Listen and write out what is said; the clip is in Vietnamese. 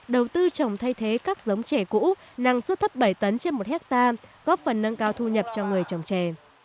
đầu tư trồng thay thế các giống chè cũ năng suất thấp bảy tấn trên một hectare góp phần nâng cao thu nhập cho người trồng trè